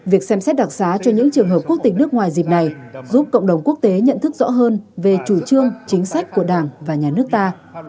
việc xem xét đặc xá cho những trường hợp quốc tịch nước ngoài dịp này giúp cộng đồng quốc tế nhận thức rõ hơn về chủ trương chính sách của đảng và nhà nước ta